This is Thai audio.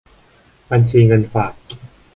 บัญชีเงินฝาก